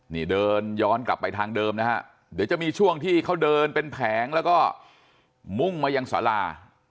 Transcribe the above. นี่เดินย้อนกลับไปทางเดิมนะฮะเดี๋ยวจะมีช่วงที่เขาเดินเป็นแผงแล้วก็มุ่งมายังสารา